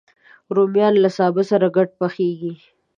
رومیان له سابه سره ګډ پخېږي